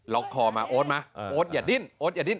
คอมาโอ๊ตมาโอ๊ตอย่าดิ้นโอ๊ตอย่าดิ้น